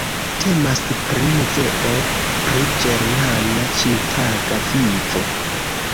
Temas pri muzeo pri ĝermana ĉiutaga vivo.